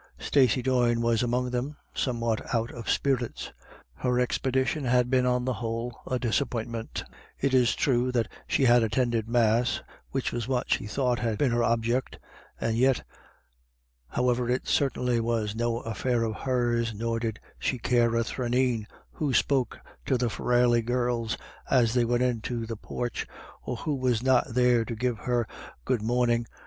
Stacey Doyne was among them, somewhat out of spirits. Her expedition had been, on the whole, a dis appointment It is true that she had attended Mass, which was what she thought had been her object, and yet — However, it certainly was no affair of hers, nor did she care a thraneen, who spoke to the Farrelly girls as they went into the porch, or who was not there to give her " good morning " THUNDER IN THE AIR.